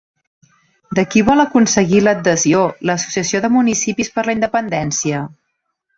De qui vol aconseguir l'adhesió l'Associació de Municipis per la Independència?